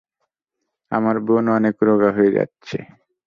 আমার বোন অনেক রোগা হয়ে যাচ্ছে।